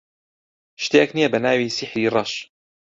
شتێک نییە بە ناوی سیحری ڕەش.